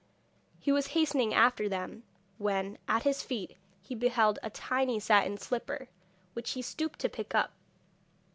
He was hastening after them, when, at his feet, he beheld a tiny satin slipper, which he stooped to pick up.